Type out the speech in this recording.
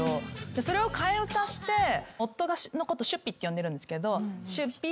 それを替え歌して夫のことシュピって呼んでるんですけど。